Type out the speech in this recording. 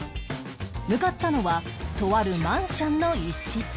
向かったのはとあるマンションの一室